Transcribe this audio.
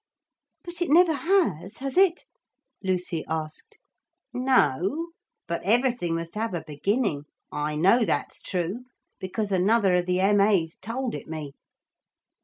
'But it never has, has it?' Lucy asked. 'No, but everything must have a beginning. I know that's true, because another of the M.A.'s told it me.'